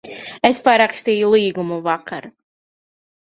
Es parakstīju līgumu vakar.